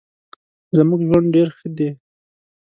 زمونږ ژوند ډیر ښه دې